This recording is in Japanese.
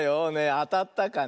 あたったかな？